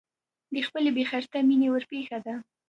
د خپلې بې خرته مینې ورپېښه ده.